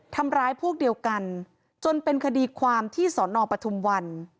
ทำร้ายพวกเดียวกันจนเป็นคดีความที่สอนอปทุมวัน